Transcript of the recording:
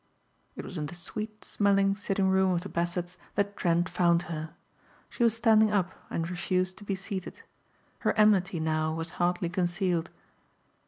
It was in the sweet smelling sitting room of the Bassetts that Trent found her. She was standing up and refused to be seated. Her enmity now was hardly concealed.